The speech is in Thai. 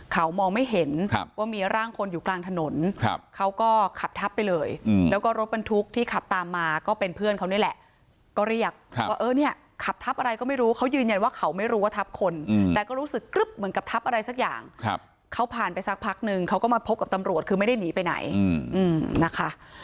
เขามองไม่เห็นว่ามีร่างคนอยู่กลางถนนเขาก็ขับทับไปเลยแล้วก็รถบรรทุกที่ขับตามมาก็เป็นเพื่อนเขานี่แหละก็เรียกว่าเออเนี่ยขับทับอะไรก็ไม่รู้เขายืนยันว่าเขาไม่รู้ว่าทับคนแต่ก็รู้สึกกรึ๊บเหมือนกับทับอะไรสักอย่างเขาผ่านไปสักพักนึงเขาก็มาพบกับตำรวจคือไม่ได้หนีไปไหนนะคะ